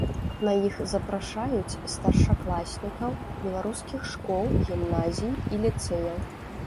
На іх запрашаюць старшакласнікаў беларускіх школ, гімназій і ліцэяў.